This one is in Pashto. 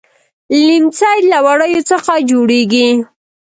ليمڅی له وړيو څخه جوړيږي.